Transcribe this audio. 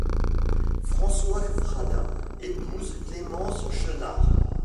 François Fradin épouse Clémence Chenard.